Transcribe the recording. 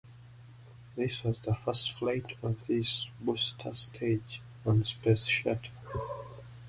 This was the first flight of this booster stage on a Space Shuttle.